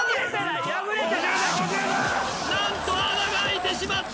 何と穴が開いてしまった！